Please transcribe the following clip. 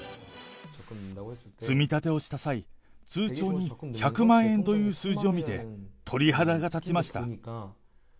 積み立てをした際、通帳に１００万円という数字を見て、鳥肌が立ちました。